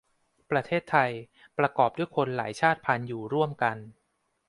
ประเทศไทย ประกอบด้วยคนหลายชาติพันธุ์อยู่ร่วมกัน